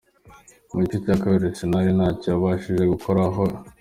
Mu gice cya kabiri Arsenal ntacyo yabashije gukora aho J.